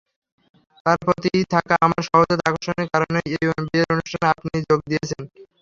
তার প্রতি থাকা আপনার সহজাত আকর্ষণের কারণেই এই বিয়ের অনুষ্ঠানে আপনি যোগ দিয়েছেন।